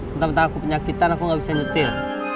bentar bentar aku penyakitan aku gak bisa nyetir